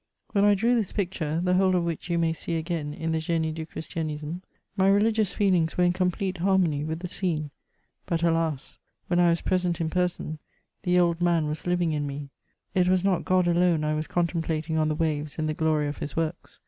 When I drew this pic ture, the whole of which you may see again in the Genie du ChrisHanism^ tclj religious feelings were in complete harmony with the scene ; but alas ! when I was prestot in person, the old man was living in me ; it was not God alone I was contemplating on the waves in the glory of his works.